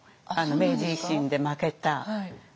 明治維新で負けた。